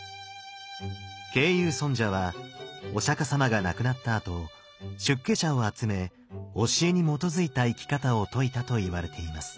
慶友尊者はお釈様が亡くなったあと出家者を集め教えに基づいた生き方を説いたといわれています。